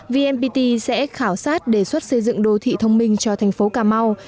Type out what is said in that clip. vnpt sẽ khảo sát đề xuất xây dựng đô thị thông minh cho thành phố cà mau